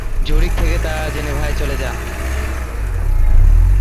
জুরিখ থেকে তারা জেনেভায় চলে যান।